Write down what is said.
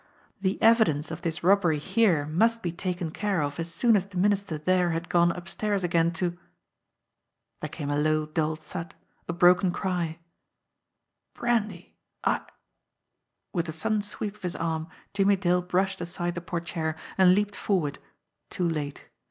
. the evidence of this robbery here must be taken care oi as soon as the Minister there had gone upstairs again to There came a low, dull thud ; a broken cry : "Brandy I " With a sudden sweep of his arm Jimmie Dale brushed aside the portiere and leaped forward too late.